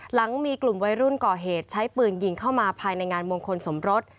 หลังมีกลุ่มวัยรุ่นก่อเหตุใช้ปืนยิงเข้ามาภายในงานมงคลสมรส